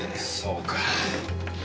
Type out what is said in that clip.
そうか。